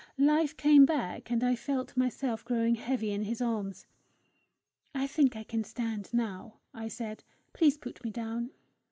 Life came back, and I felt myself growing heavy in his arms. "I think I can stand now," I said. "Please put me down."